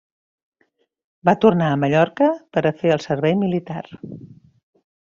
Va tornar a Mallorca per a fer el servei militar.